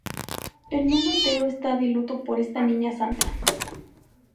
El mundo entero está de luto por esta niña santa".